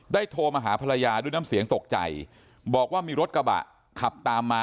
โทรมาหาภรรยาด้วยน้ำเสียงตกใจบอกว่ามีรถกระบะขับตามมา